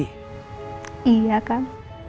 aku mau datang ke rumah akang